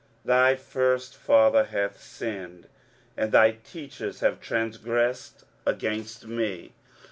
23:043:027 Thy first father hath sinned, and thy teachers have transgressed against me.